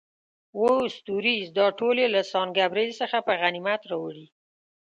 اووه ستوریز، دا ټول یې له سان ګبرېل څخه په غنیمت راوړي.